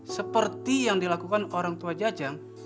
seperti yang dilakukan orang tua jajang